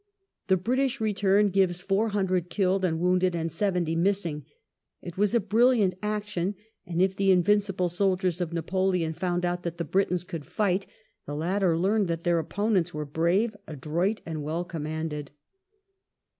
The British return gives four hundred killed and wounded and seventy missing. It was a brilliant action, and if the invincible soldiers of Napoleon found out that the Britons could fight, the latter learned that their opponents were brave, adroit, and well commanded.